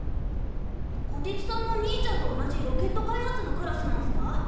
こてつさんも兄ちゃんと同じロケット開発のクラスなんすか？